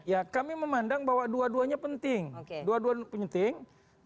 ya kami memandang bahwa dua duanya penting